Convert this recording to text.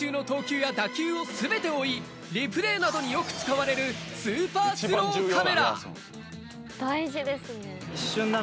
こちらは試合中の投球や打球を全て追い、リプレーなどによく使われるスーパースローカメラ。